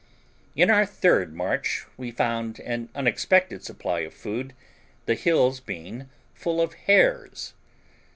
In our third march we found an unexpected supply of food, the hills being full of hares.